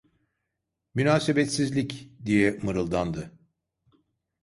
"Münasebetsizlik!" diye mırıldandı.